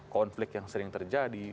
konflik yang sering terjadi